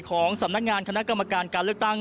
ของสำนักงานคณะกรรมการการเลือกตั้ง